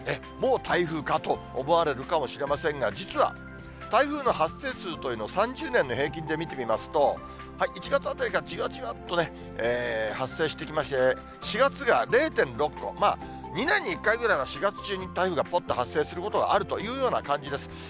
もう台風かと思われるかもしれませんが、実は、台風の発生数というのを３０年の平均で見てみますと、１月あたりからじわじわっとね、発生してきまして、４月が０．６個、２年に１回ぐらいは４月中に台風がぽっと発生することはあるというような感じです。